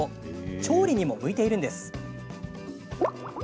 調理にも向いているんです。